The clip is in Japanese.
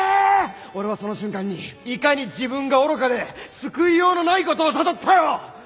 俺はその瞬間にいかに自分が愚かで救いようのないことを悟ったよ。